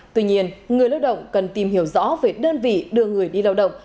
tuy nhiên người lao động cần tìm hiểu rõ về đơn vị đưa người đi lao động